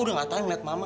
dia udah dateng belum ya